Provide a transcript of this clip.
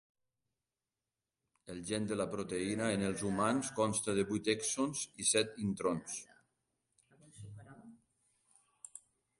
El gen de la proteïna en els humans consta de vuit exons i set introns.